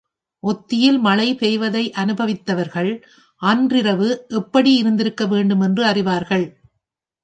ஒத்தியில் மழை பெய்வதை அனுபவித்தவர்கள் அன்றிரவு எப்படி இருந்திருக்க வேண்டுமென்று அறிவார்கள்.